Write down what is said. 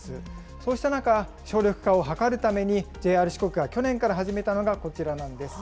そうした中、省力化を図るために、ＪＲ四国が去年から始めたのがこちらなんです。